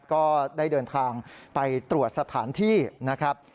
ก็ได้เดินทางไปตรวจสถานที่นะครับ